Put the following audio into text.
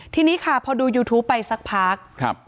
ทีนี้ค่ะพอดูยูทูปไปสักพักครับ